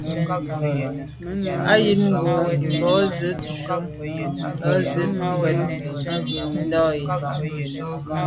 A jíìt ngòó ngò mbā zíìt shùm lo ndzíə́k ncɔ́ɔ̀ʼdə́ a.